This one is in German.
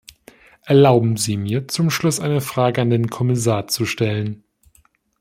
Erlauben Sie mir, zum Schluss eine Frage an den Kommissar zu stellen!